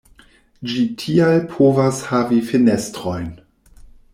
Ĝi tial povas havi fenestrojn.